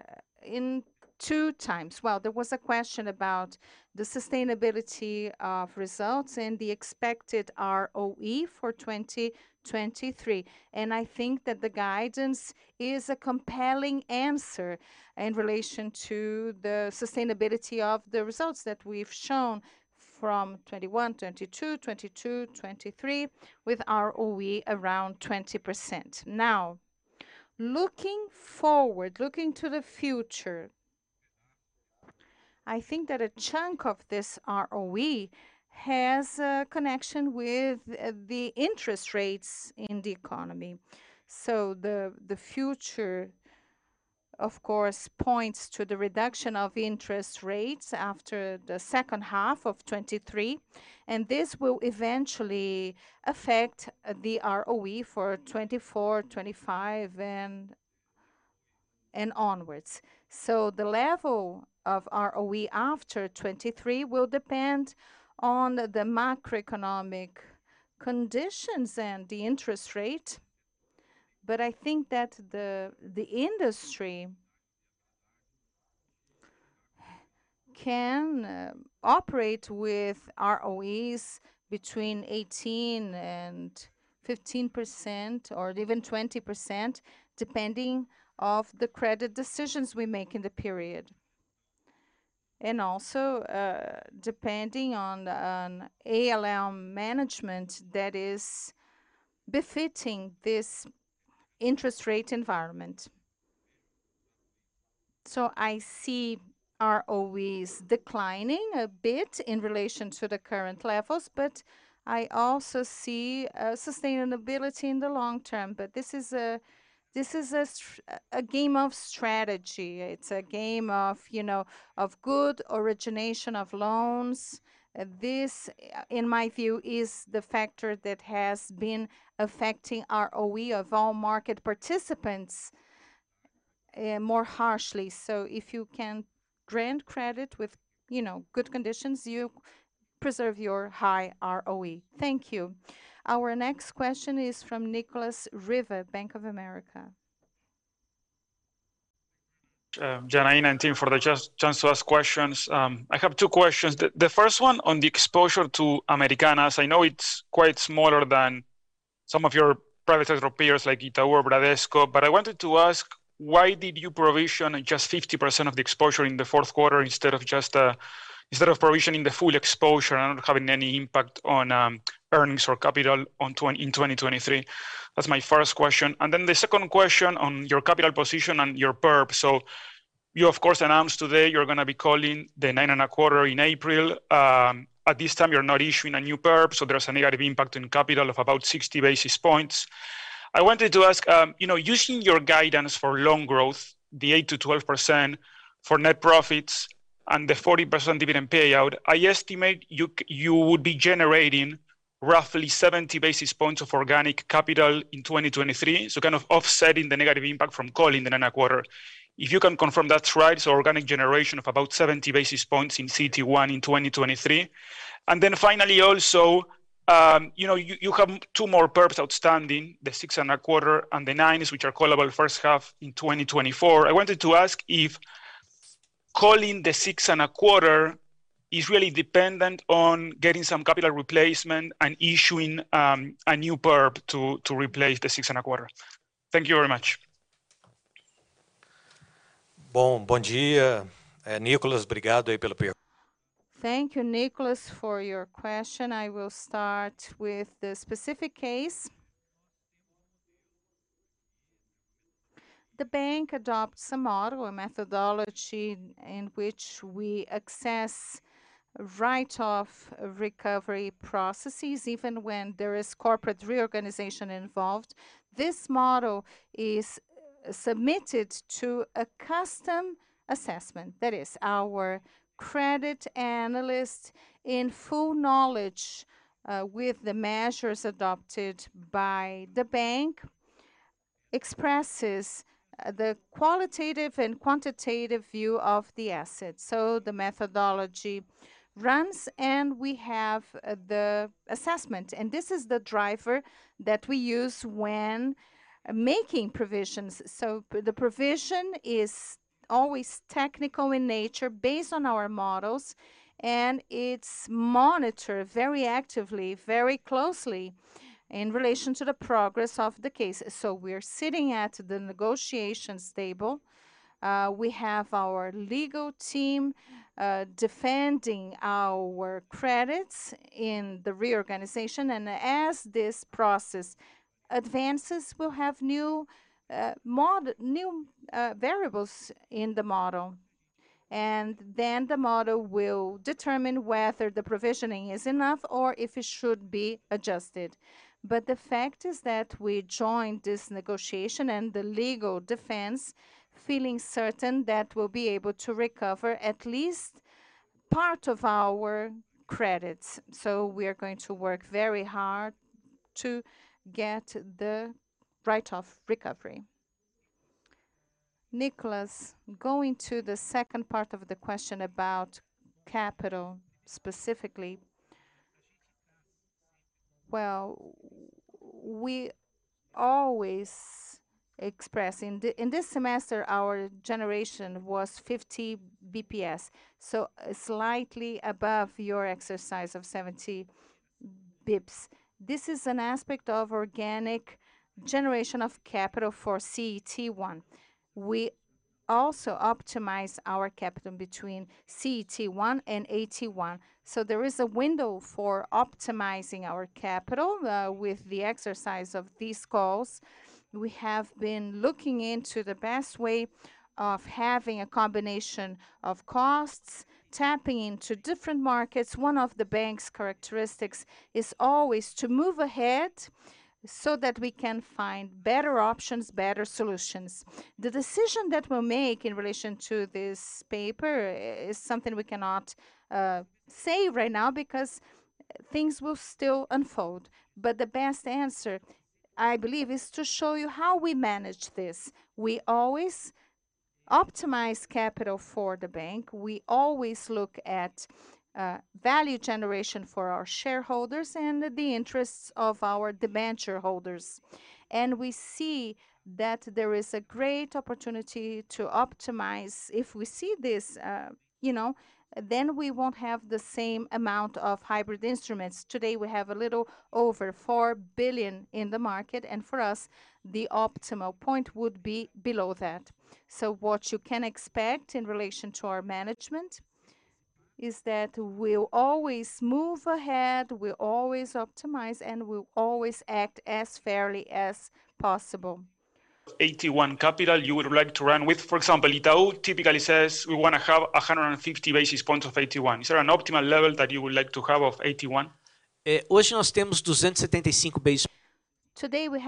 in two times. There was a question about the sustainability of results and the expected ROE for 2023, and I think that the guidance is a compelling answer in relation to the sustainability of the results that we've shown from 2021, 2022, 2023, with ROE around 20%. Looking forward, looking to the future, I think that a chunk of this ROE has a connection with the interest rates in the economy. The future, of course, points to the reduction of interest rates after the second half of 2023, and this will eventually affect the ROE for 2024, 2025 and onwards. The level of ROE after 23 will depend on the macroeconomic conditions and the interest rate, but I think that the industry can operate with ROEs between 18% and 15%, or even 20%, depending of the credit decisions we make in the period. Also, depending on ALM management that is befitting this interest rate environment. I see ROEs declining a bit in relation to the current levels, but I also see sustainability in the long term. This is a game of strategy. It's a game of, you know, of good origination of loans. This, in my view, is the factor that has been affecting ROE of all market participants, more harshly. If you can grant credit with, you know, good conditions, you preserve your high ROE. Thank you. Our next question is from Nicolas Riva, Bank of America. Janaína and team for the chance to ask questions. I have two questions. The first one on the exposure to Americanas. I know it's quite smaller than some of your private sector peers like Itaú, Bradesco, but I wanted to ask, why did you provision just 50% of the exposure in the fourth quarter instead of provisioning the full exposure and not having any impact on earnings or capital in 2023? That's my first question. The second question on your capital position and your perp. You of course announced today you're gonna be calling the 9.25% in April. At this time, you're not issuing a new perp, so there's a negative impact on capital of about 60 basis points. I wanted to ask, you know, using your guidance for loan growth, the 8%-12% for net profits and the 40% dividend payout, I estimate you would be generating roughly 70 basis points of organic capital in 2023, so kind of offsetting the negative impact from calling the 9.25%. If you can confirm that's right, organic generation of about 70 basis points in CET1 in 2023. Finally also, you know, you have two more perps outstanding, the 6.25% and the 9%, which are callable first half in 2024. I wanted to ask if calling the 6.25% is really dependent on getting some capital replacement and issuing a new perp to replace the 6.25%. Thank you very much. Bom. Bon dia. Nicolas, Thank you, Nicolas, for your question. I will start with the specific case. The bank adopts a model, a methodology in which we assess write-off recovery processes even when there is corporate reorganization involved. This model is submitted to a custom assessment. That is, our credit analyst in full knowledge, with the measures adopted by the bank. Expresses the qualitative and quantitative view of the asset. The methodology runs, and we have the assessment, and this is the driver that we use when making provisions. The provision is always technical in nature based on our models, and it's monitored very actively, very closely in relation to the progress of the cases. We're sitting at the negotiations table. We have our legal team, defending our credits in the reorganization. As this process advances, we'll have new variables in the model. The model will determine whether the provisioning is enough or if it should be adjusted. The fact is that we joined this negotiation and the legal defense feeling certain that we'll be able to recover at least part of our credits. We are going to work very hard to get the write-off recovery. Nicolas, going to the second part of the question about capital specifically. Well, we always express. In this semester, our generation was 50 basis points, slightly above your exercise of 70 basis points. This is an aspect of organic generation of capital for CET1. We also optimize our capital between CET1 and AT1. There is a window for optimizing our capital with the exercise of these calls. We have been looking into the best way of having a combination of costs, tapping into different markets. One of the bank's characteristics is always to move ahead so that we can find better options, better solutions. The decision that we'll make in relation to this paper is something we cannot say right now because things will still unfold. The best answer, I believe, is to show you how we manage this. We always optimize capital for the bank. We always look at value generation for our shareholders and the interests of our debenture holders. We see that there is a great opportunity to optimize. If we see this, you know, then we won't have the same amount of hybrid instruments. Today, we have a little over 4 billion in the market, and for us, the optimal point would be below that. What you can expect in relation to our management is that we'll always move ahead, we'll always optimize, and we'll always act as fairly as possible. AT1 capital you would like to run with. For example, Itaú typically says, "We wanna have 150 basis points of AT1." Is there an optimal level that you would like to have of AT1? Today, we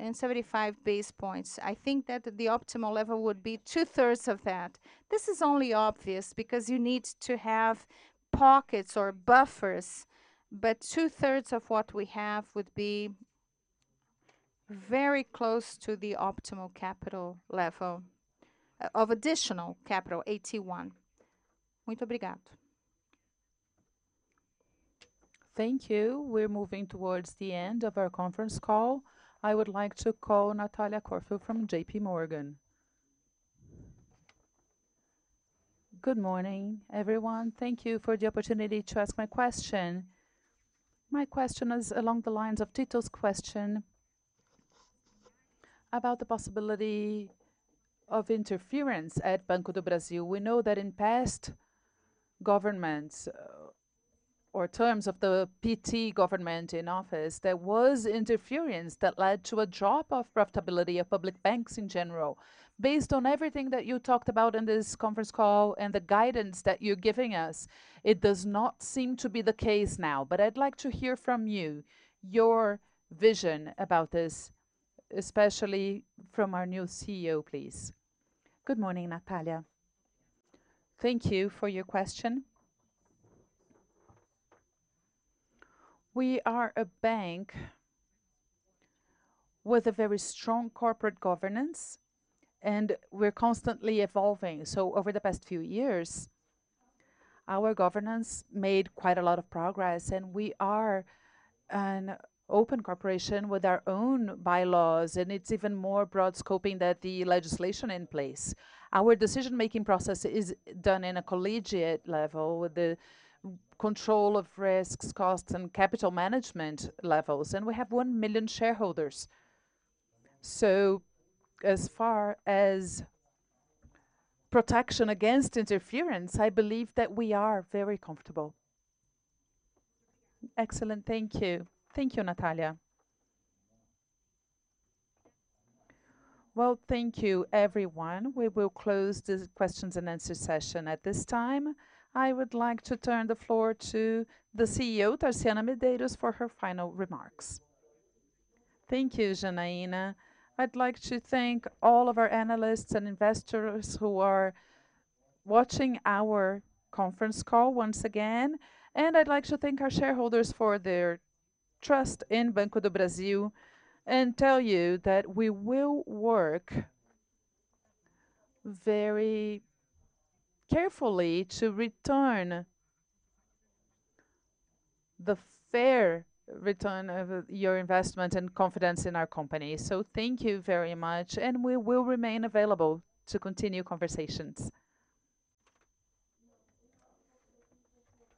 have 275 basis points. I think that the optimal level would be two-thirds of that. This is only obvious because you need to have pockets or buffers, but two-thirds of what we have would be very close to the optimal capital level of additional capital, AT1. Thank you. We're moving towards the end of our conference call. I would like to call Natalia Corfield from J.P. Morgan. Good morning, everyone. Thank you for the opportunity to ask my question. My question is along the lines of Tito's question about the possibility of interference at Banco do Brasil. We know that in past governments or terms of the PT government in office, there was interference that led to a drop of profitability of public banks in general. Based on everything that you talked about in this conference call and the guidance that you're giving us, it does not seem to be the case now. But I'd like to hear from you, your vision about this, especially from our new CEO, please. Good morning, Natalia. Thank you for your question. We are a bank with a very strong corporate governance. We're constantly evolving. Over the past few years, our governance made quite a lot of progress. We are an open corporation with our own bylaws. It's even more broad scoping than the legislation in place. Our decision-making process is done in a collegiate level with the control of risks, costs, and capital management levels. We have 1 million shareholders. As far as protection against interference, I believe that we are very comfortable. Excellent. Thank you. Thank you, Natalia. Well, thank you, everyone. We will close this questions and answer session at this time. I would like to turn the floor to the CEO, Tarciana Medeiros, for her final remarks. Thank you, Janaína. I'd like to thank all of our analysts and investors who are watching our conference call once again, and I'd like to thank our shareholders for their trust in Banco do Brasil and tell you that we will work very carefully to return the fair return of your investment and confidence in our company. Thank you very much, and we will remain available to continue conversations.